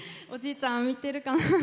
おじいちゃん見てるかな。